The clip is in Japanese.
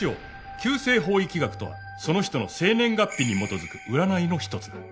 九星方位気学とはその人の生年月日に基づく占いのひとつだ。